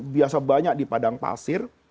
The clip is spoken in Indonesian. biasa banyak di padang pasir